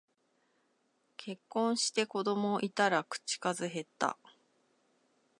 結婚して子供いたら口数へった